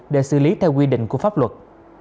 để xử lý theo quy định của pháp luật